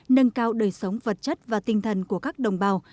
nâng cao đời sống vật chất và tinh thần của các đồng bào